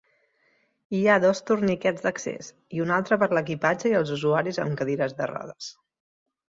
Hi ha dos torniquets d'accés, i un altre per l'equipatge i els usuaris amb cadires de rodes.